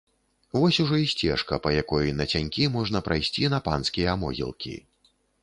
Вось ужо і сцежка, па якой нацянькі можна прайсці на панскія могілкі.